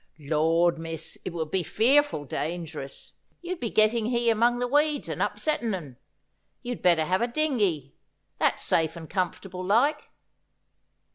' Lord, miss, it would be fearful dangerous. You'd be getting he among the weeds, and upsettin' un. You'd better have a dingey. That's safe and comfortable like.'